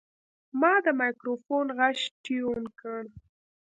ما د مایکروفون غږ ټیون کړ.